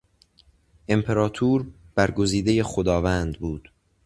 امپراطور، برگزیدهی خداوند بود.